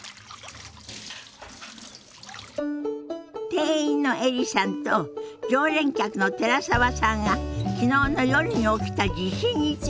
店員のエリさんと常連客の寺澤さんが昨日の夜に起きた地震について話してるみたい。